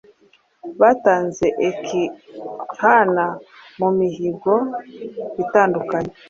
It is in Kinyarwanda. batanze ekihana mumihango itandukanye